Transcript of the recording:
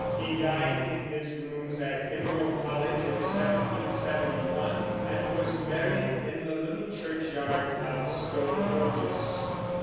He died in his rooms at Pembroke College in 1771, and was buried in the little churchyard of Stoke Poges.